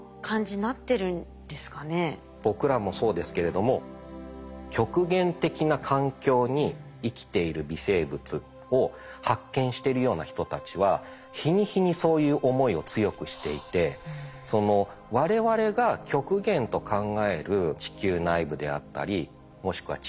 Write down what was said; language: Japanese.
僕らもそうですけれども極限的な環境に生きている微生物を発見してるような人たちは日に日にそういう思いを強くしていてっていうふうに考える人たちが増えてきてると思います。